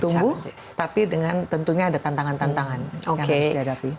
tumbuh tapi dengan tentunya ada tantangan tantangan yang harus dihadapi